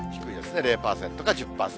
０％か１０％。